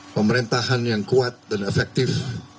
pemerintahan yang kuat dan efektif